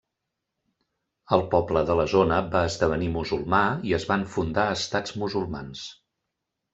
El poble de la zona va esdevenir musulmà i es van fundar estats musulmans.